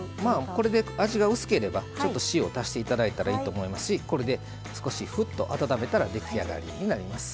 これで味が薄ければちょっと塩を足して頂いたらいいと思いますしこれで少し沸騰温めたら出来上がりになります。